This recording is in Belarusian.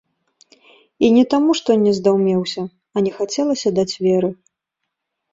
І не таму, што не здаўмеўся, а не хацелася даць веры.